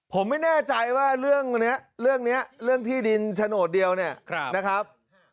ผมไม่แน่ใจว่าเรื่องนี้เรื่องที่ดินฉโนดเดียวนะครับ